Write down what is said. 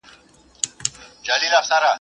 هغه سړی چې ساینس لولي ډېر څه زده کوي.